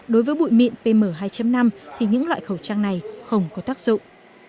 đối với bụi mịn pm hai năm thì những loại khẩu trang này không có tác dụng